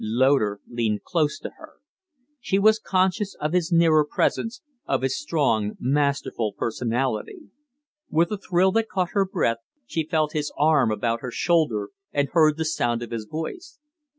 Loder leaned close to her. She was conscious of his nearer presence, of his strong, masterful personality. With a thrill that caught her breath, she felt his arm. about her shoulder and heard the sound of his voice.